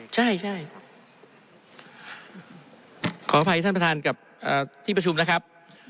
ใช่ขออภัยท่านประธานกับที่ประชุมนะครับ